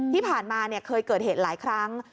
ที่ผ่านมาเคยเกิดเหตุหลายครั้ง